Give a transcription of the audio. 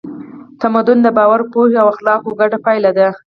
تمدن د باور، پوهې او اخلاقو ګډه پایله ده.